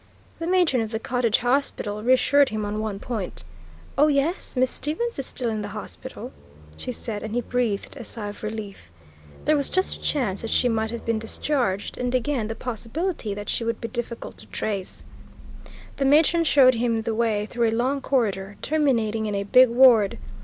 The matron of the Cottage Hospital reassured him on one point. "Oh, yes, Miss Stevens is still in the hospital," she said, and he breathed a sigh of relief. There was just a chance that she might have been discharged, and again the possibility that she would be difficult to trace. The matron showed him the way through a long corridor, terminating in a big ward.